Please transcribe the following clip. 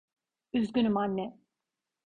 Üzgünüm anne.